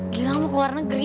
gilang mau ke luar negeri